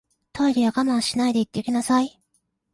トイレは我慢しないで行ってきなさい